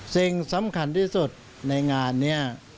สิ่งสำคัญที่สุดในงานนี้